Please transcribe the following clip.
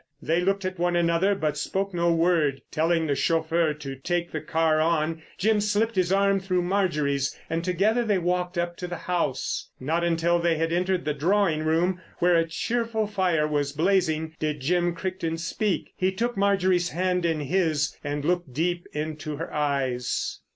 They looked at one another, but spoke no word. Telling the chauffeur to take the car on, Jim slipped his arm through Marjorie's, and together they walked up to the house. Not until they had entered the drawing room, where a cheerful fire was blazing, did Jim Crichton speak. He took Marjorie's hand in his and looked deep into her eyes.